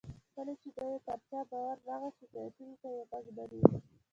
کله چې به یې پر چا باور راغی، شکایتونو ته یې غوږ نه نیو.